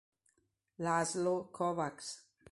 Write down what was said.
László Kovács